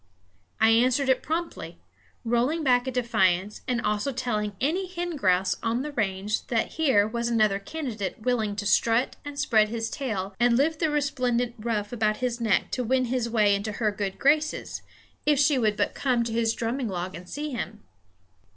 I answered it promptly, rolling back a defiance, and also telling any hen grouse on the range that here was another candidate willing to strut and spread his tail and lift the resplendent ruff about his neck to win his way into her good graces, if she would but come to his drumming log and see him.